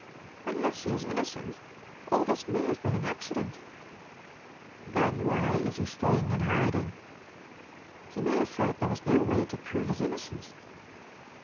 "Unless he is innocent. All this may have been an accident." "Then why is he staying in hiding?" "He may have felt there was no way to prove his innocence."